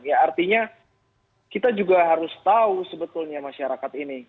artinya kita juga harus tahu sebetulnya masyarakat ini